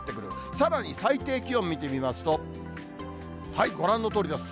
さらに最低気温見てみますと、ご覧のとおりです。